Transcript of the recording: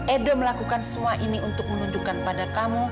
edo melakukan semua ini untuk menunjukkan pada kamu